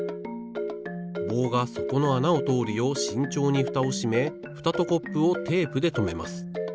棒がそこのあなをとおるようしんちょうにフタをしめフタとコップをテープでとめます。